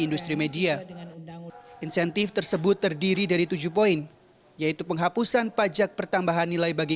industri media insentif tersebut terdiri dari tujuh poin yaitu penghapusan pajak pertambahan nilai bagi